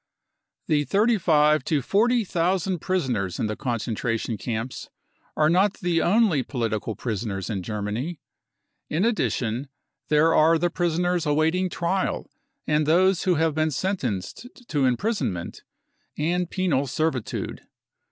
The thirty five to forty thousand prisoners in the concentration camps are not the only political prisoners in Germany ; in addition, there are the prisoners awaiting trial and those who have been sen tenced to imprisonment and penal servitude.